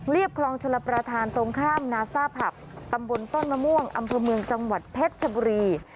คลองชลประธานตรงข้ามนาซ่าผับตำบลต้นมะม่วงอำเภอเมืองจังหวัดเพชรชบุรี